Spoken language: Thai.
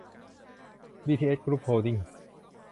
บีทีเอส กรุ๊ป โฮลดิ้งส์